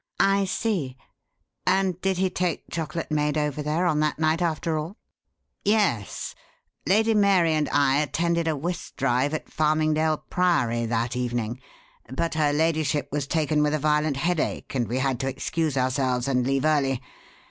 "I see. And did he take Chocolate Maid over there on that night, after all?" "Yes. Lady Mary and I attended a whist drive at Farmingdale Priory that evening; but her ladyship was taken with a violent headache and we had to excuse ourselves and leave early.